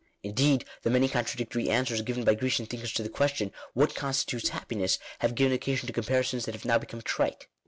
Indeed the many con tradictory answers given by Grecian thinkers to the ques tion — What constitutes happiness ? have given occasion to comparisons that have now become trite.